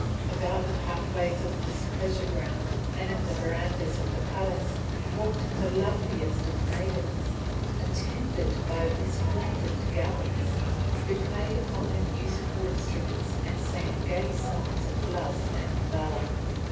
About the pathways of this pleasure ground and in the verandahs of the palace walked the loveliest of maidens, attended by resplendent gallants, who played upon their musical instruments and sang gay songs of love and valour.